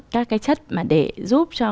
các cái chất mà để giúp cho